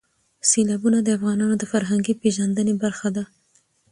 سیلابونه د افغانانو د فرهنګي پیژندنې برخه ده.